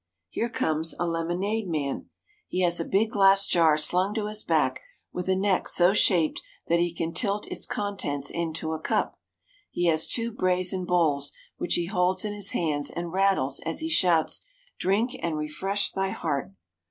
Here comes a lemonade man. He has a big glass jar slung to his back with a neck so shaped that he can tilt its contents into a cup. He has two brazen bowls which he holds in his hands and rattles as he shouts: "Drink and refresh thy heart."